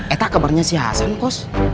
eta kabarnya si hasan kos